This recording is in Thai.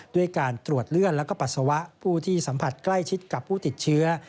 ด้วยการตรวจเลือดแล้วก็ปัสสาวะผู้ที่สัมผัสใกล้ชิดกับผู้ติดเชื้อ